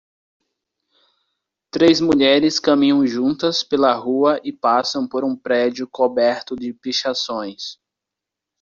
Três mulheres caminham juntas pela rua e passam por um prédio coberto de pichações.